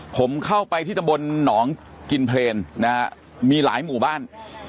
ผมเข้าไปที่ตำบลหนองกินเพลนนะฮะมีหลายหมู่บ้าน